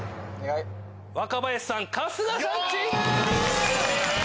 若林さん・春日さんチーム！